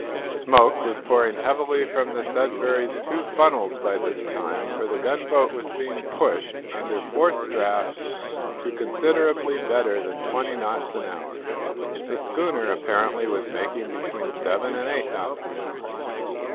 Smoke was pouring heavily from the "Sudbury's" two funnels by this time, for the gunboat was being pushed, under forced draught, to considerably better than twenty knots an hour. The schooner apparently was making between seven and eight knots an hour.